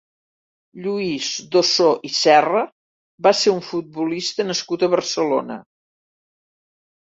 Lluís d'Ossó i Serra va ser un futbolista nascut a Barcelona.